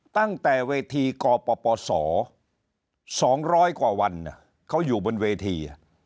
ตั้งแต่เวทีกปศ๒๐๐กว่าวันเขาอยู่บนเวที